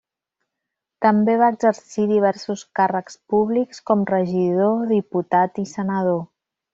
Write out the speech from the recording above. També va exercir diversos càrrecs públics, com regidor, diputat i senador.